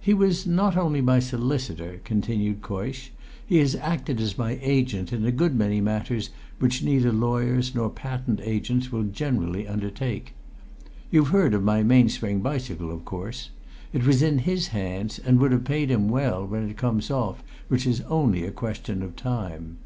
"He was not only my solicitor," continued Coysh; "he has acted as my agent in a good many matters which neither lawyers nor patent agents will generally undertake. You've heard of my Mainspring bicycle, of course? It was in his hands, and would have paid him well when it comes off, which is only a question of time."